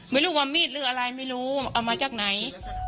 ไม่รู้ว่ามีดหรืออะไรไม่รู้เอามาจากไหน